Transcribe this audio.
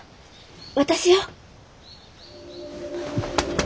私よ。